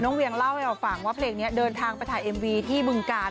เวียงเล่าให้เราฟังว่าเพลงนี้เดินทางไปถ่ายเอ็มวีที่บึงกาล